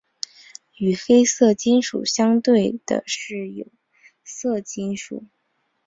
与黑色金属相对的是有色金属。